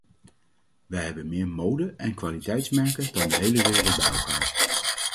Wij hebben meer mode- en kwaliteitsmerken dan de hele wereld bij elkaar.